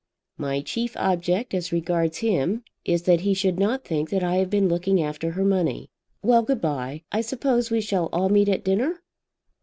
"My chief object as regards him, is that he should not think that I have been looking after her money. Well; good bye. I suppose we shall all meet at dinner?"